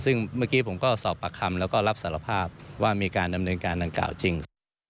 ซึ่งเมื่อกี้ผมก็สอบปากคำแล้วก็รับสารภาพว่ามีการดำเนินการดังกล่าวจริง